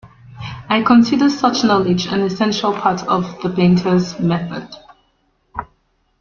I consider such knowledge an essential part of the painter's method.